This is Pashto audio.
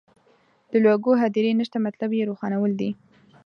د لوږو هدیرې نشته مطلب یې روښانول دي.